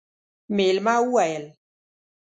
مېلمه وويل: